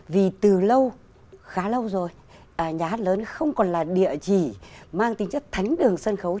vì từ lâu khá lâu rồi nhà hát lớn không còn là địa chỉ mang tính chất thánh đường sân khấu